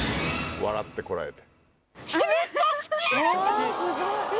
笑ってコラえて。